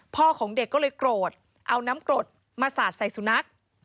ของเด็กก็เลยโกรธเอาน้ำกรดมาสาดใส่สุนัข